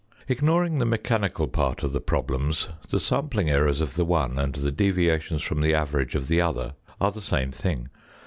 Ignoring the mechanical part of the problems, the sampling errors of the one and the deviations from the average of the other are the same thing.